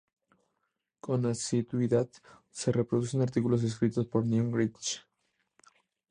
Con asiduidad, se reproducen artículos escritos por Newt Gingrich.